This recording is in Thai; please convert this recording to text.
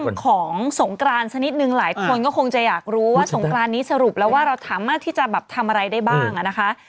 ของสงกรานสักนิดนึงหลายคนก็คงจะอยากรู้ว่าสงกรานนี้สรุปแล้วว่าเราสามารถที่จะแบบทำอะไรได้บ้างนะคะ